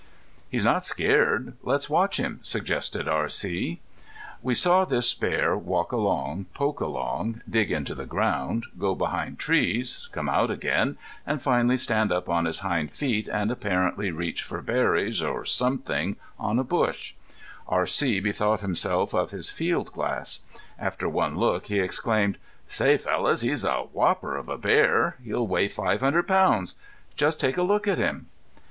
"He's not scared. Let's watch him," suggested R.C. [Illustration: WILD TURKEYS] [Illustration: THE WHITE QUAKING ASPS] We saw this bear walk along, poke around, dig into the ground, go behind trees, come out again, and finally stand up on his hind feet and apparently reach for berries or something on a bush. R.C. bethought himself of his field glass. After one look he exclaimed: "Say, fellows, he's a whopper of a bear! He'll weigh five hundred pounds. Just take a look at him!"